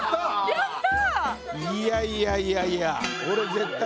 やった！